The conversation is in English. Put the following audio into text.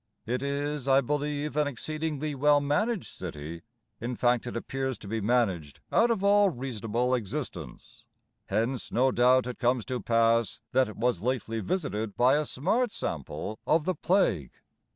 It is, I believe, An exceedingly well managed city: In fact, it appears to be managed Out of all reasonable existence; Hence, no doubt, it comes to pass That it was lately visited By a smart sample of the plague.